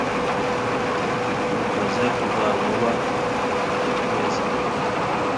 rukoza rwa nkuba ya rumeza,